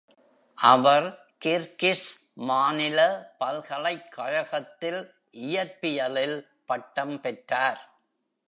அவர் Kyrgyz மாநில பல்கலைக்கழகத்தில் இயற்பியலில் பட்டம் பெற்றார்.